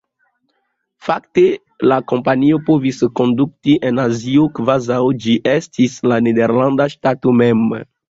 Fakte la kompanio povis konduti en Azio kvazaŭ ĝi estis la nederlanda ŝtato mem.